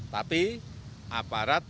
tapi aparat hukum